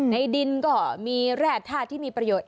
ในดินก็มีแร่ธาตุที่มีประโยชน